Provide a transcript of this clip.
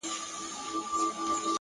پوهه د ژوند انتخابونه ډېروي.